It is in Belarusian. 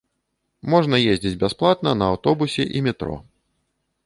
Можна ездзіць бясплатна на аўтобусе і метро.